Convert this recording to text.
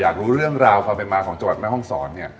อยากรู้เรื่องราวความเป็นมาของจังหวัดแม่ห้องศรเนี่ย